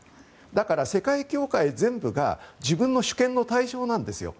だから、世界教会全部が自分の主権の対象なんですよ。